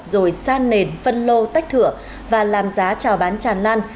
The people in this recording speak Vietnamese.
rồi san nền phân lô tách thửa và làm giá trào bán tràn lan